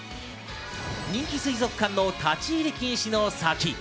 人気水族館の立ち入り禁止の先。